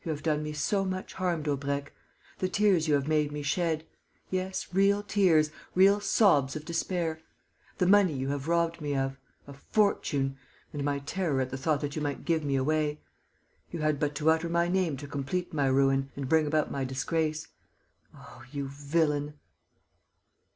You have done me so much harm, Daubrecq! The tears you have made me shed! Yes, real tears, real sobs of despair.... The money you have robbed me of! A fortune!... And my terror at the thought that you might give me away! You had but to utter my name to complete my ruin and bring about my disgrace!... Oh, you villain!..."